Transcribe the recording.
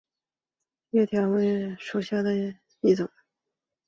条裂鸢尾兰为兰科鸢尾兰属下的一个种。